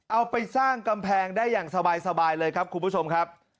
เอาไปสร้างกำแพงได้อย่างสบายเลยครับคุณผู้ชมครับ